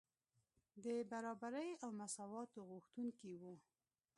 د برابرۍ او مساواتو غوښتونکي وو.